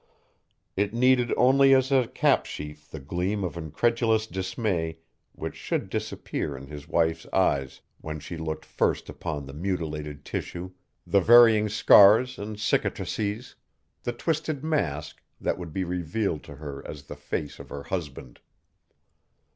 It needed only as a capsheaf the gleam of incredulous dismay which should appear in his wife's eyes when she looked first upon the mutilated tissue, the varying scars and cicatrices, the twisted mask that would be revealed to her as the face of her husband.